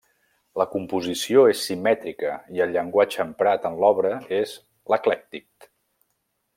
La composició és simètrica i el llenguatge emprat en l'obra és l'eclèctic.